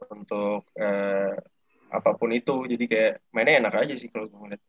untuk apapun itu jadi kayak mainnya enak aja sih kalau mau lihat